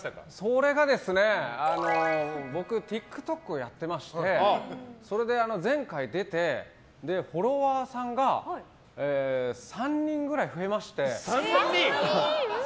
それがですね、僕ＴｉｋＴｏｋをやってまして前回出て、フォロワーさんが３人ぐらい増えまして。